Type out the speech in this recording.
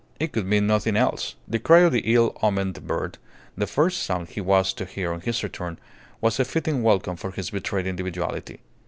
It could mean nothing else. The cry of the ill omened bird, the first sound he was to hear on his return, was a fitting welcome for his betrayed individuality.